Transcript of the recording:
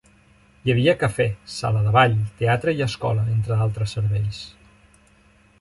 Hi havia cafè, sala de ball, teatre i escola, entre altres serveis.